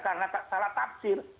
karena salah tafsir